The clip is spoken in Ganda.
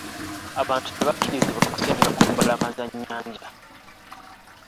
Abantu tebakkirizibwa kusenga ku mbalama za nnyanja.